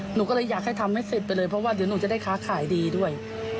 หนูก็เลยอยากให้ทำให้เสร็จไปเลยเพราะว่าเดี๋ยวหนูจะได้ค้าขายดีด้วย